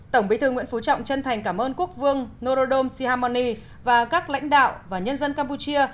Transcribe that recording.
tổng bí thư nguyễn phú trọng chân thành cảm ơn quốc vương norodom sihamoni và các lãnh đạo và nhân dân campuchia